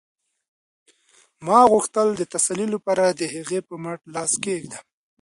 ما غوښتل د تسلۍ لپاره د هغې په مټ لاس کېږدم